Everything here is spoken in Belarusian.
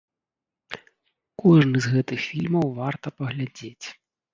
Кожны з гэтых фільмаў варта паглядзець.